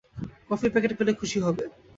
কফির প্যাকেট পেলে খুশি হবে।